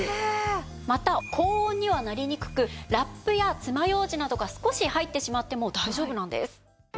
また高温にはなりにくくラップやつまようじなどが少し入ってしまっても大丈夫なんです。